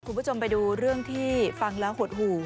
คุณผู้ชมไปดูเรื่องที่ฟังแล้วหดหู่